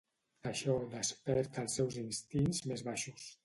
Això desperta els seus instints més baixos.